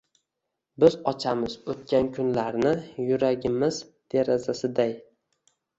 Biz ochamiz “Oʻtgan kunlar”ni yuragimiz derazasiday.